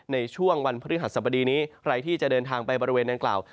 ในช่วงวันพฤหัสสบดีนี้ใครที่จะเดินทางไปบริเวณนางกล่าว